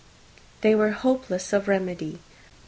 They were hopeless of remedy.